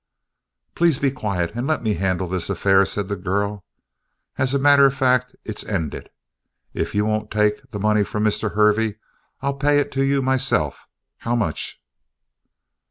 "Please be quiet and let me handle this affair," said the girl. "As a matter of fact, it's ended. If you won't take the money from Mr. Hervey, I'll pay it to you myself. How much?"